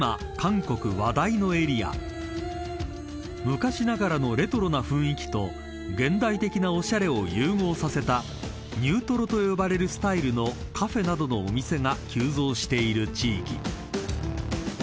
［昔ながらのレトロな雰囲気と現代的なおしゃれを融合させたニュートロと呼ばれるスタイルのカフェなどのお店が急増している地域］